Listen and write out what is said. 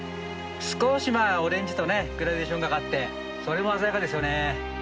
少しオレンジとグラデーションがかってそれも鮮やかですよね。